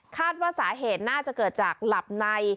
คาดว่าสาเหตุน่าจะเกิดจากหลับใน